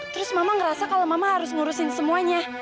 terus mama ngerasa kalau mama harus ngurusin semuanya